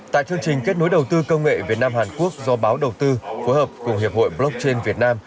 tại chương trình kết nối đầu tư công nghệ việt nam hàn quốc do báo đầu tư phối hợp cùng hiệp hội blockchain việt nam